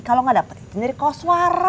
kalau gak dapetin sendiri koswara